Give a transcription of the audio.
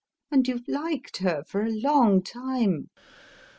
And you've liked her for a long time.